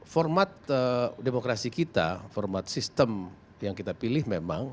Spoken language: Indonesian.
format demokrasi kita format sistem yang kita pilih memang